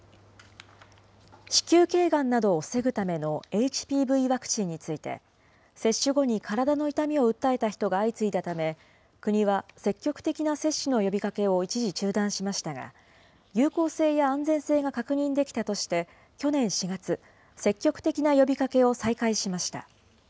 子宮けいがんなどを防ぐためのＨＰＶワクチンについて、接種後に体の痛みを訴えた人が相次いだため、国は積極的な接種の呼びかけを一時中断しましたが、有効性や安全性が確認できたとして、去年４月、積極的な呼びかけを再開しました。